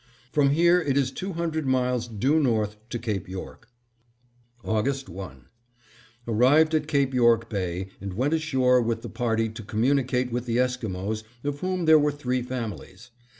From here it is two hundred miles due north to Cape York. August 1: Arrived at Cape York Bay and went ashore with the party to communicate with the Esquimos of whom there were three families.